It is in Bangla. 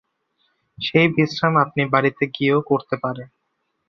সেই বিশ্রাম আপনি বাড়িতে গিয়েও করতে পারেন।